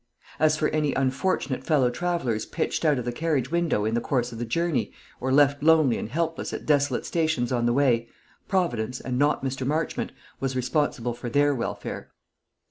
As for any unfortunate fellow travellers pitched out of the carriage window in the course of the journey, or left lonely and helpless at desolate stations on the way, Providence, and not Mr. Marchmont, was responsible for their welfare.